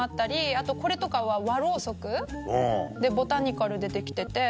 あとこれとかは和ろうそくでボタニカルでできてて。